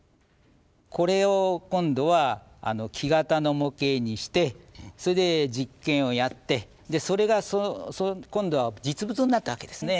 これを今度は木型の模型にしてそれで実験をやってそれが今度は実物になったわけですね。